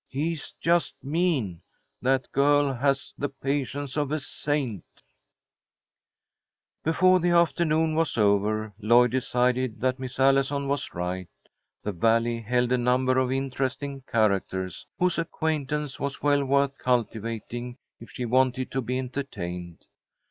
He's just mean. That girl has the patience of a saint." [Illustration: "'I NEARLY FAINTED WHEN I HAPPENED TO LOOK UP'"] Before the afternoon was over, Lloyd decided that Miss Allison was right. The Valley held a number of interesting characters, whose acquaintance was well worth cultivating if she wanted to be entertained.